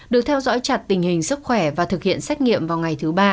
được theo dõi chặt tình hình sức khỏe và thực hiện xét nghiệm vào ngày thứ ba